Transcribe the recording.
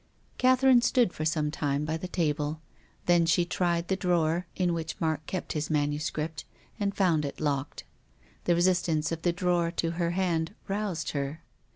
Catherine stood for some time by the table. Then she tried the drawer in which Mark kept his manuscript and found it locked. The resistance of the drawer to her hand roused her.